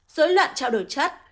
rối loạn trao đổi chất